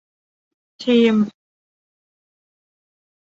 ทีม